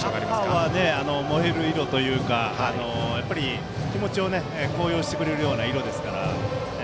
赤は燃える色というか気持ちを高揚してくれるような色ですから。